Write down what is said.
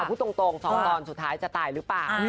พูดตรง๒ตอนสุดท้ายจะตายหรือเปล่า